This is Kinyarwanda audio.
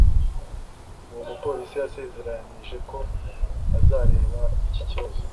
Uwo mupolisi yasezeranyije ko azareba iki kibazo